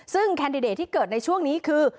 ซึ่งแคนดิเดตที่เกิดในช่วงนี้คือ